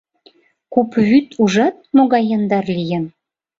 Куп вӱд, ужат, могай яндар лийын.